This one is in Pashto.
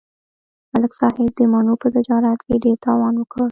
ملک صاحب د مڼو په تجارت کې ډېر تاوان وکړ